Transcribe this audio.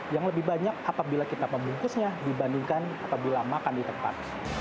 yang lebih banyak apabila kita membungkusnya dibandingkan apabila makan di tempat